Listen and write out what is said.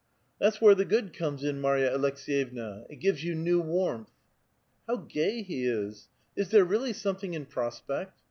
'^ That's where the good comes in, Marya Aleks^yevna; it gives you new warmth." (" How gay he is ! Is there really something in prospect?